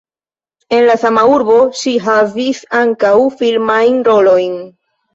En la sama urbo ŝi havis ankaŭ filmajn rolojn.